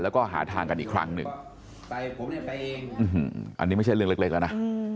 แล้วก็หาทางกันอีกครั้งหนึ่งอันนี้ไม่ใช่เรื่องเล็กแล้วนะ